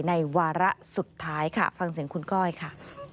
วาระสุดท้ายค่ะฟังเสียงคุณก้อยค่ะ